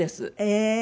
ええ。